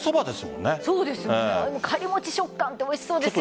カリモチ食感っておいしそうですよね。